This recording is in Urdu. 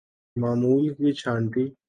معمول کی چھانٹی